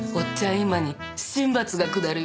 今に神罰が下るよ。